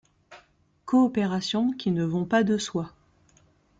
Coopérations qui ne vont pas de soi.